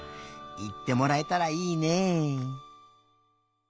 いってもらえたらいいね。